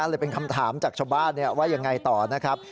เลยเป็นคำถามจากชาวบ้านว่ายังไงต่อนะครับ